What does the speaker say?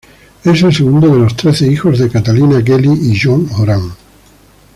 Es el segundo de los trece hijos de Catalina Kelly y John Horan.